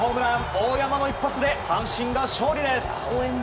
大山の一発で阪神が勝利です。